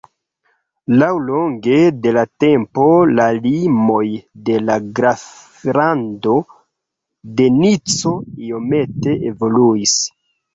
Laŭlonge de la tempo, la limoj de la graflando de Nico iomete evoluis.